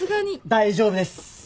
大丈夫です。